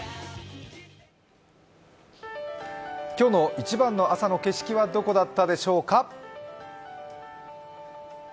今日の一番の朝の景色はどこだったでしょうか。